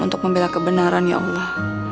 untuk membela kebenaran ya allah